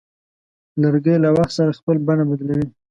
لرګی له وخت سره خپل بڼه بدلوي.